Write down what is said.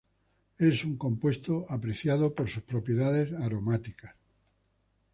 Es un compuesto apreciado por sus propiedades aromáticas.